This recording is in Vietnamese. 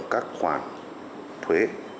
các khoản thuế